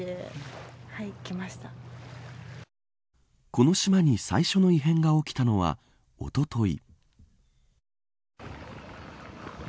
この島に最初の異変が起きたのはおととい。